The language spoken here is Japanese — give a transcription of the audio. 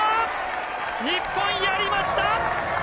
日本、やりました！